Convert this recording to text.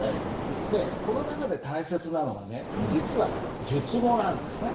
この中で大切なのはね実は述語なんですね。